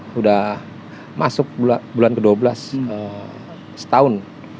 sudah masuk bulan ke dua belas setahun